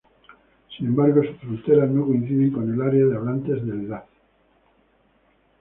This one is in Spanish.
Sin embargo, sus fronteras no coinciden con el área de hablantes del laz.